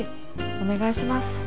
お願いします。